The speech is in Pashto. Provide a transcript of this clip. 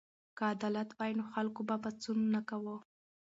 که عدالت وای نو خلکو به پاڅون نه کاوه.